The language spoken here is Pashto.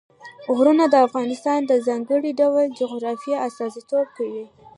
غرونه د افغانستان د ځانګړي ډول جغرافیه استازیتوب کوي.